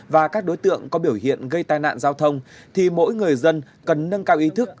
và các đối tượng có biểu hiện gây tai nạn giao thông thì mỗi người dân cần nâng cao ý thức